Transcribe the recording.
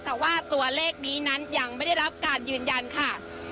แต่ว่าตัวเลขนี้นั้นยังไม่ได้รับการยืนยันค่ะ